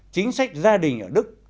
chính sách gia đình ở đức